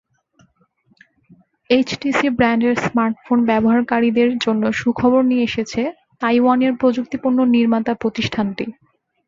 HTC ব্র্যান্ডের smartphone ব্যবহারকারীদের জন্য সুখবর নিয়ে এসেছে তাইওয়ানের প্রযুক্তিপণ্য নির্মাতা প্রতিষ্ঠানটি।